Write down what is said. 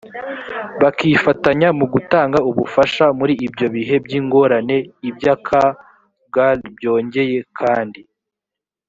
bakifatanya mu gutanga ubufasha muri ibyo bihe by ingorane ibyak gal byongeye kandi